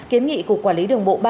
kiến nghị cục quản lý đường bộ ba